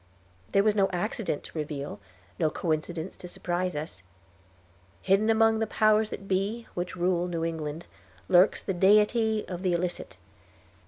There was no accident to reveal, no coincidence to surprise us. Hidden among the Powers That Be, which rule New England, lurks the Deity of the Illicit.